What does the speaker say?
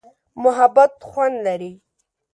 محبت خوند لري.